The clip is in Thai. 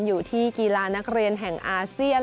อยู่ที่กีฬานักเรียนแห่งอาเซียน